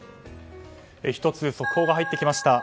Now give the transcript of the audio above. １つ速報が入ってきました。